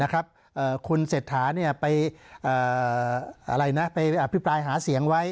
ครูเสถาไปอะไรนะไปอภิปรายหาเสียงไว้